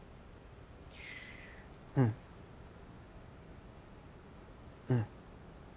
うんうん